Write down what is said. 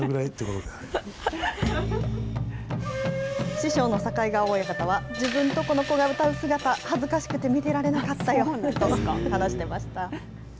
師匠の境川親方は、自分とこの子が歌う姿、恥ずかしくて見てられなかったよと話してました。